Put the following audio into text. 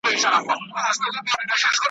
نه محتاجه د بادار نه د انسان یو `